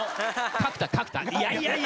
角田角田。